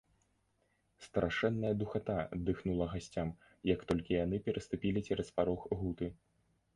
Страшэнная духата дыхнула гасцям, як толькі яны пераступілі цераз парог гуты.